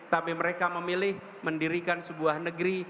tapi mereka memilih mendirikan sebuah negeri